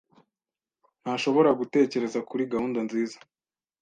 ntashobora gutekereza kuri gahunda nziza.